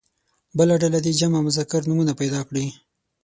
بله ډله دې جمع مذکر نومونه پیدا کړي.